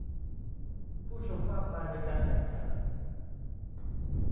ผู้ชมมากมายในการแข่งขัน